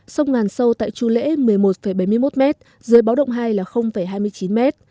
sông ngàn sâu tại chu lễ một mươi một bảy mươi một m dưới báo động hai là hai mươi chín m